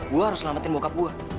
gue harus selamatin bokap gue